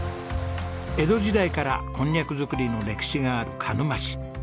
江戸時代からこんにゃく作りの歴史がある鹿沼市。